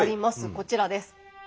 こちらです。